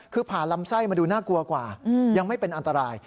คือผ่านลำไส้มาดูน่ากลัวกว่ายังไม่เป็นอันตราย